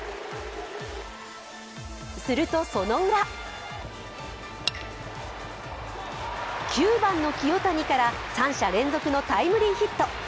すると、そのウラ９番の清谷から三者連続のタイムリーヒット。